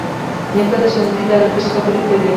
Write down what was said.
نیکه د ښوونځي د ارزښت خبرې کوي.